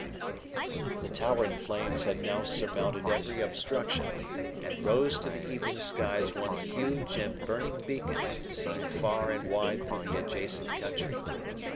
39 The towering flames had now surmounted every obstruction, and rose to the evening skies one huge and burning beacon, seen far and wide through the adjacent country.